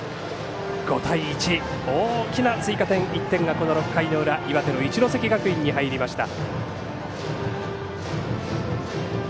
５対１、大きな追加点１点が、この６回の裏岩手の一関学院に入りました。